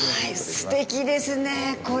すてきですね、これ。